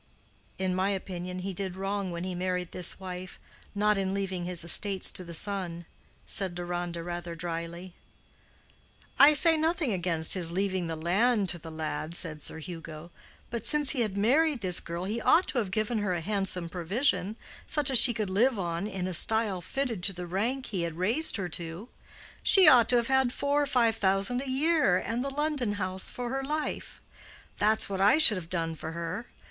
"In my opinion he did wrong when he married this wife—not in leaving his estates to the son," said Deronda, rather dryly. "I say nothing against his leaving the land to the lad," said Sir Hugo; "but since he had married this girl he ought to have given her a handsome provision, such as she could live on in a style fitted to the rank he had raised her to. She ought to have had four or five thousand a year and the London house for her life; that's what I should have done for her.